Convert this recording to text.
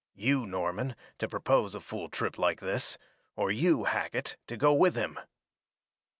"You, Norman, to propose a fool trip like this, or you, Hackett, to go with him."